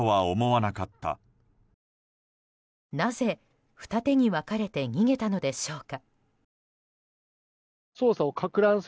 なぜ、二手に分かれて逃げたのでしょうか。